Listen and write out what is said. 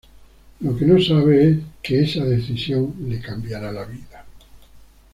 Lo que no sabe, es que esa decisión le cambiará la vida.